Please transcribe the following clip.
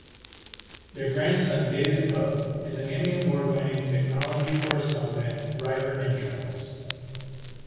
Their grandson David Pogue, is an Emmy award-winning technology correspondent, writer and journalist.